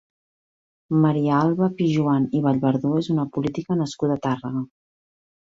Maria Alba Pijuan i Vallverdú és una política nascuda a Tàrrega.